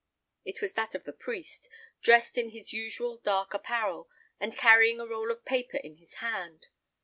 It was that of the priest, dressed in his usual dark apparel, and carrying a roll of paper in his hand.